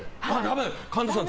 神田さん